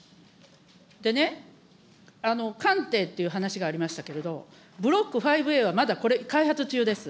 でね、艦艇っていう話がありましたけれども、ブロック５Ａはまだこれ、開発中です。